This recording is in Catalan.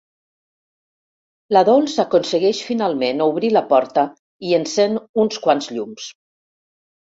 La Dols aconsegueix finalment obrir la porta i encén uns quants llums.